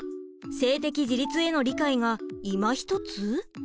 性的自立への理解がいまひとつ？